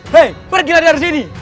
hey pergilah dari sini